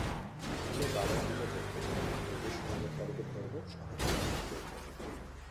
আমি বাবার টিমে যোগ দেবো, অগ্নিসংযোগকারীকে ধরবো, শহরকে রক্ষা করব।